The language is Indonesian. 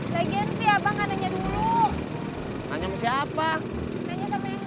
lagi nanti abang called mereka dulu